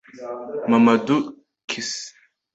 Mamadou Cissé